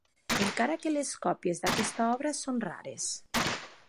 Encara que les còpies d'aquesta obra són rares.